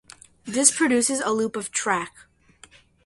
This produces a loop of "track".